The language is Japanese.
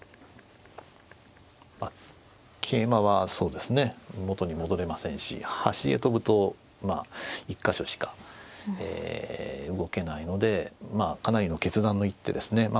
桂馬はそうですね元に戻れませんし端へ跳ぶと１か所しか動けないのでかなりの決断の一手ですね。